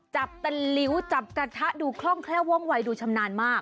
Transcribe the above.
จับเป็นลิ้วจับกระทะดูคล่องแคล่วว่องวัยดูชำนาญมาก